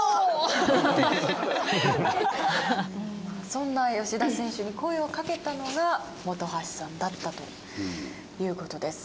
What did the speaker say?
そんな吉田選手に声をかけたのが本橋さんだったという事です。